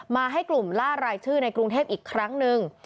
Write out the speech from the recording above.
ให้กลุ่มล่ารายชื่อในกรุงเทพอีกครั้งหนึ่ง